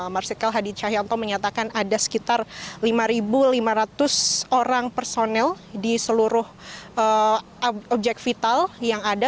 marsikal hadi cahyanto menyatakan ada sekitar lima lima ratus orang personel di seluruh objek vital yang ada